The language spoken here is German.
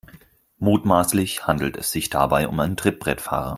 Mutmaßlich handelt es sich dabei um einen Trittbrettfahrer.